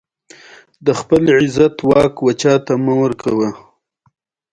د خلي نه بې اختياره داد ئې موندلے دے ۔